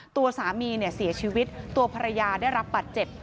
ตัวสามีเสียชีวิตตัวภรรยาได้รับบัตรเจ็บ